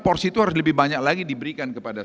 porsi itu harus lebih banyak lagi diberikan kepada